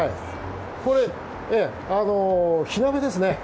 これ、火鍋ですね。